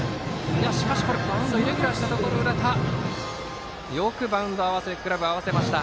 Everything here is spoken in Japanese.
しかしバウンドがイレギュラーしたところ浦田、よくバウンドにグラブを合わせました。